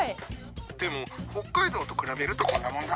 でも北海道と比べるとこんなもんだ。